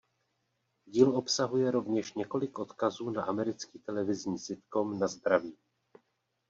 Díl obsahuje rovněž několik odkazů na americký televizní sitcom "Na zdraví".